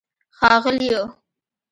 ښاغلیو